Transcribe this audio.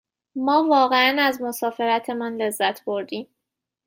ما واقعاً از مسافرتمان لذت بردیم.